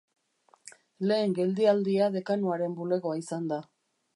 Lehen geldialdia dekanoaren bulegoa izan da.